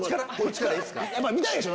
見たいでしょ？